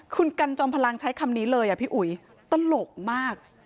คุณกันจอมพลังใช้คำนี้เลยพี่อุ๋ยตลกมาก